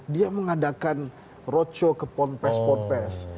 dia mengadakan roadshow ke ponpes ponpes